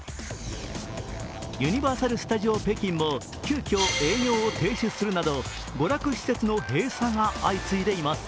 ユニバーサル・スタジオ・北京も急きょ、営業を停止するなど娯楽施設の閉鎖が相次いでいます。